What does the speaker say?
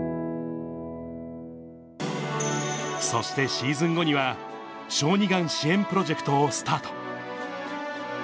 そしてシーズン後には、小児がん支援プロジェクトをスタート。